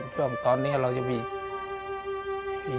และกับผู้จัดการที่เขาเป็นดูเรียนหนังสือ